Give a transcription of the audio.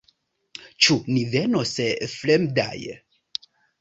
Ĉu ni venos fremdaj?